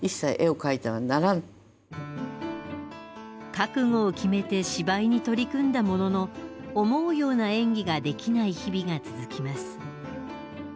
覚悟を決めて芝居に取り組んだものの思うような演技ができない日々が続きます。